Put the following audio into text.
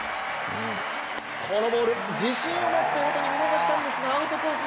このボール、自信を持って大谷、見逃したんですがアウトコース